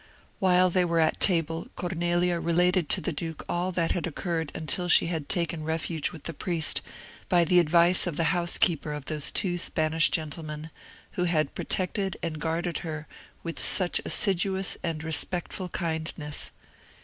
While they were at table, Cornelia related to the duke all that had occurred until she had taken refuge with the priest, by the advice of the housekeeper of those two Spanish gentlemen, who had protected and guarded her with such assiduous and respectful kindness.